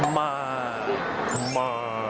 มาะ